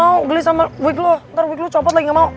nggak mau geli sama wig lu ntar wig lu copot lagi nggak mau